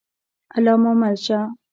الله مو مل شه؟